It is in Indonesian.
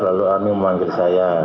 lalu army memanggil saya